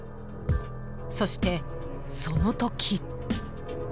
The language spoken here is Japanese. そして、その時。